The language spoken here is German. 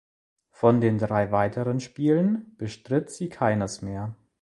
Von den drei weiteren Spielen bestritt sie keines mehr.